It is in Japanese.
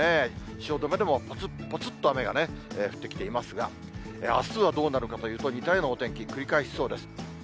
汐留でもぽつっ、ぽつっと雨が降ってきていますが、あすはどうなるかというと、似たようなお天気、繰り返しそうです。